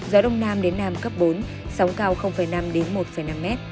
gió đông nam đến nam cấp bốn sóng cao năm đến một năm m